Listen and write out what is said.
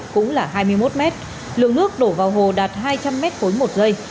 cũng là hai mươi một mét lượng nước đổ vào hồ đạt hai trăm linh mét khối một giây